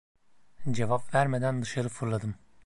Cevap vermeden dışarı fırladım.